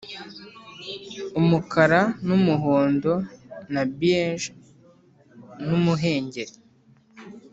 umukara n'umuhondo na beige n'umuhengeri,